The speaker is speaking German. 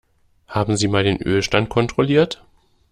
Haben Sie mal den Ölstand kontrolliert?